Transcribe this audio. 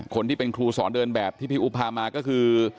คนที่เป็นครูสอนเดินแบบที่พี่อุ๊บพามาก็คือ